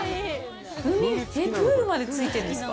海、えっ、プールまでついてるんですか！？